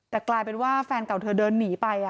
แต่กลายเป็นว่าแฟนเก่าเธอเดินหนีไป